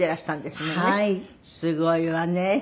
すごいわね。